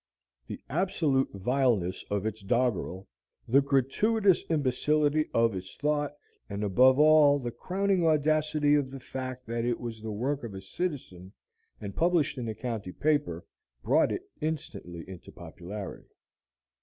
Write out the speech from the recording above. The absolute vileness of its doggerel, the gratuitous imbecility of its thought, and above all the crowning audacity of the fact that it was the work of a citizen and published in the county paper, brought it instantly into popularity.